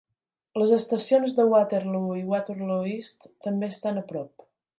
Les estacions de Waterloo i Waterloo East també estan a prop.